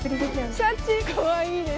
シャチ、かわいいです。